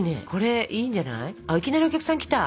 いきなりお客さん来た！